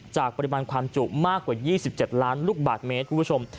ปริมาณความจุมากกว่า๒๗ล้านลูกบาทเมตรคุณผู้ชม